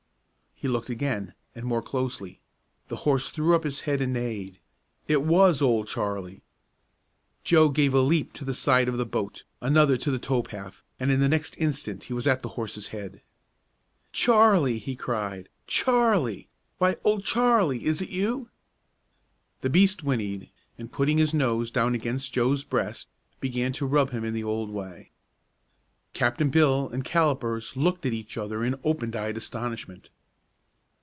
He looked again, and more closely. The horse threw up his head and neighed. It was Old Charlie! Joe gave a leap to the side of the boat, another to the tow path, and in the next instant he was at the horse's head. "Charlie!" he cried. "Charlie! Why, Old Charlie, is this you?" The beast whinnied, and putting his nose down against Joe's breast, began to rub him in the old way. Captain Bill and Callipers looked at each other in open eyed astonishment.